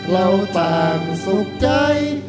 เราต่างสุขใจ